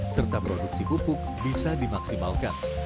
serta produksi pupuk bisa dimaksimalkan